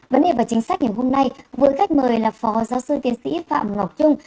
vấn đề và chính sách ngày hôm nay với khách mời là phó giáo sư tiến sĩ phạm ngọc trung